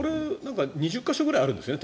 ２０か所ぐらいあるんですよね。